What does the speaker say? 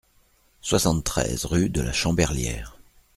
soixante-treize rue de la Chamberlière